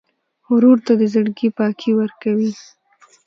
ورور ته د زړګي پاکي ورکوې.